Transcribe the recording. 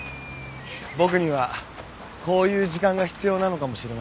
僕にはこういう時間が必要なのかもしれません。